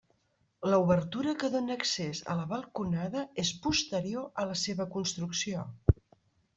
L'obertura que dóna accés a la balconada és posterior a la seva construcció.